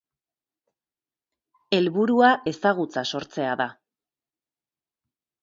Helburua ezagutza sortzea da.